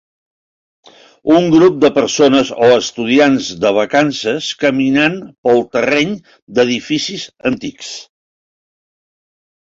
Un grup de persones o estudiants de vacances caminant pel terreny d'edificis antics